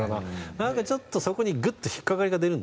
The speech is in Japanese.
なんかちょっとそこにグッと引っ掛かりが出るんですよね。